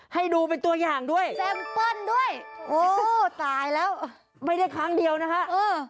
ให้ดูเป็นตัวอย่างด้วยโอ้ตายแล้วไม่ได้ครั้งเดียวนะครับ